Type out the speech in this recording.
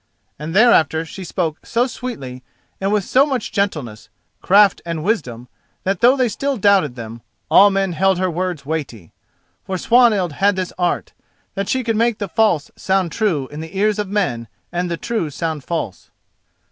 And thereafter she spoke so sweetly and with so much gentleness, craft, and wisdom that, though they still doubted them, all men held her words weighty. For Swanhild had this art, that she could make the false sound true in the ears of men and the true sound false.